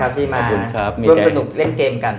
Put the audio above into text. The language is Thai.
รวมสนุกเล่นเกมกัน